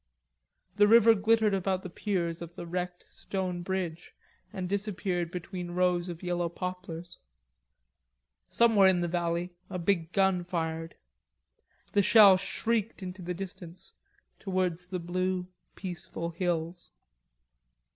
The river glittered about the piers of the wrecked stone bridge, and disappeared between rows of yellow poplars. Somewhere in the valley a big gun fired. The shell shrieked into the distance, towards the blue, peaceful hills.